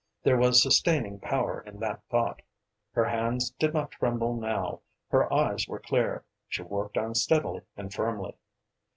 There was sustaining power in that thought: her hands did not tremble now, her eyes were clear; she worked on steadily and firmly.